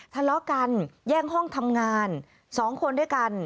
ทะเลาะกันแย่งห้องทำงาน๒คนด้วยกัน